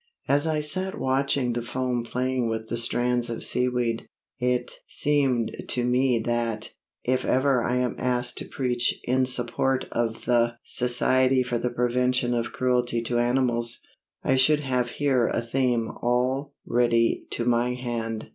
As I sat watching the foam playing with the strands of seaweed, it seemed to me that, if ever I am asked to preach in support of the Society for the Prevention of Cruelty to Animals, I should have here a theme all ready to my hand.